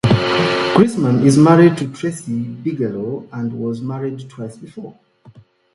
Grisman is married to Tracy Bigelow and was married twice before.